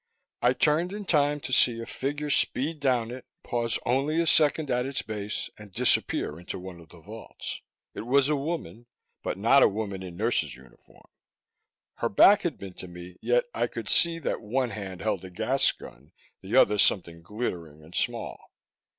I turned in time to see a figure speed down it, pause only a second at its base, and disappear into one of the vaults. It was a woman, but not a woman in nurse's uniform. Her back had been to me, yet I could see that one hand held a gas gun, the other something glittering and small.